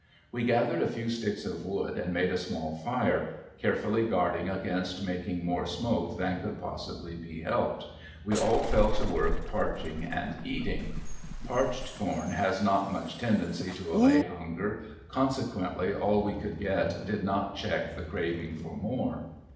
We gathered a few sticks of wood and made a small fire, carefully guarding against making more smoke than could possibly be helped, we all fell to work parching and eating. Parched corn has not much tendency to allay hunger, consequently all we could get did not check the craving for more.